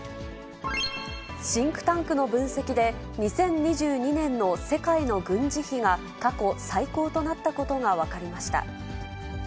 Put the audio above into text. シンクタンクの分析で、２０２２年の世界の軍事費が過去最高となったことが分かりました。